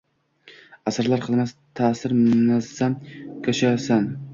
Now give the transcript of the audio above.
Аsrlar qilmas taʼsir muazzam koshonasan.